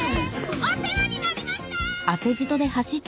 お世話になりました！